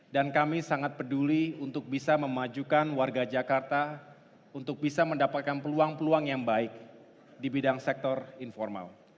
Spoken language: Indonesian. dan kami sangat peduli untuk bisa memajukan warga jakarta untuk bisa mendapatkan peluang peluang yang baik di bidang sektor informal